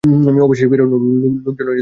অবশেষে ফিরআউনের লোকজন তাকে উঠিয়ে নিল।